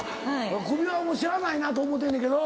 首はもうしゃあないなと思うてんねんけど。